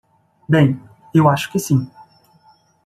Bem, eu acho que sim.